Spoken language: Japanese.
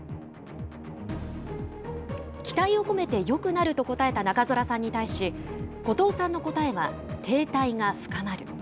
期待を込めてよくなると答えた中空さんに対し、後藤さんの答えは停滞が深まる。